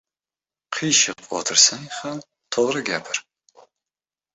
• Qiyshiq o‘tirsang ham to‘g‘ri gapir.